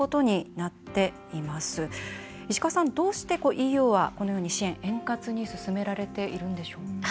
石川さんどうしてＥＵはこのように支援円滑に進められているんでしょうか？